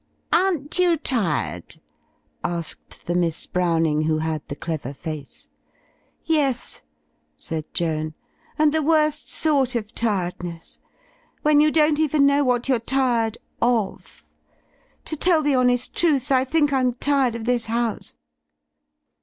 "Aren't you tired?" asked the Miss Browning who had the clever face. 'Tfes," said Joan, "and the worst sort of tiredness; when you don't even know what you're tired of. To tell the honest truth, I think I'm tired of this house."